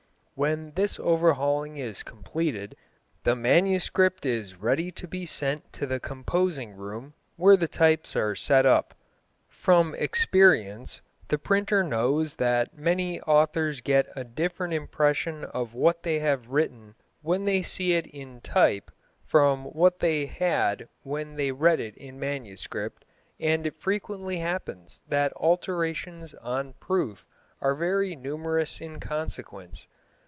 When this overhauling is completed the manuscript is ready to be sent to the composing room where the types are set up. From experience the printer knows that many authors get a different impression of what they have written when they see it in type from what they had when they read it in manuscript, and it frequently happens that alterations on proof are very numerous in consequence.